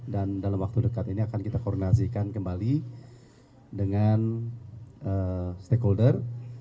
dan dalam waktu dekat ini akan kita koordinasikan kembali dengan stakeholder